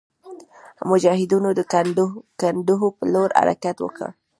مجاهدینو د کنډو پر لور حرکت وکړ.